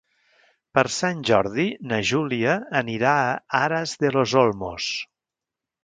Per Sant Jordi na Júlia anirà a Aras de los Olmos.